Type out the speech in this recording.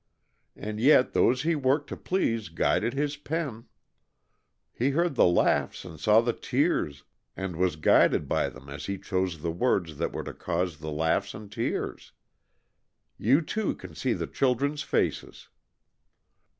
And yet those he worked to please guided his pen. He heard the laughs and saw the tears and was guided by them as he chose the words that were to cause the laughs and tears. You, too, can see the children's faces."